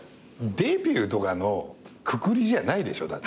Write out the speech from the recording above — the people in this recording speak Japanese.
デビューとかのくくりじゃないでしょ。